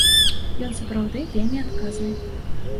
Ён сапраўды вельмі адказны.